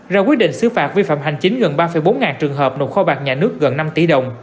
ra quyết định xứ phạt vi phạm hành chính gần ba bốn ngàn trường hợp nộp kho bạc nhà nước gần năm tỷ đồng